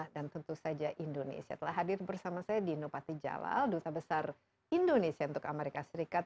dan tentu saja indonesia telah hadir bersama saya dino patijalal duta besar indonesia untuk amerika serikat